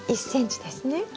１ｃｍですね？